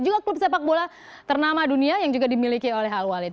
juga klub sepak bola ternama dunia yang juga dimiliki oleh hal walid